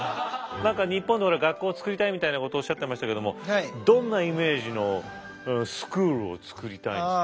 何か日本で学校を作りたいみたいなことをおっしゃってましたけどもどんなイメージのスクールを作りたいんですか？